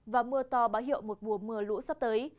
và mưa to báo hiệu một mùa mưa lũ sắp tới